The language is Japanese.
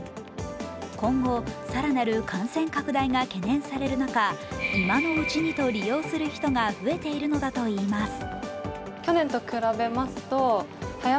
今後、更なる感染拡大が懸念される中、今のうちにと利用する人が増えているのだといいます。